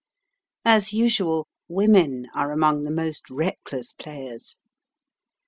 As usual, women are among the most reckless players.